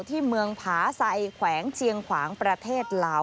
ที่เมืองผาไซแขวงเชียงขวางประเทศลาว